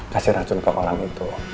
kasih racun ke kolam itu